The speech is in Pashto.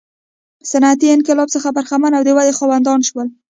صنعتي انقلاب څخه برخمن او د ودې خاوندان شول.